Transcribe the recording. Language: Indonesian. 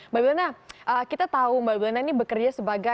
mbak wilna kita tahu mbak wilna ini bekerja sebagus ini